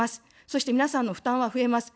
そして皆さんの負担は増えます。